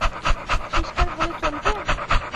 Three star হলে চলবে?